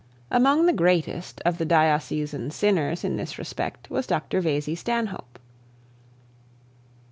Among the greatest of the diocesan sinners in this respect was Dr Vesey Stanhope.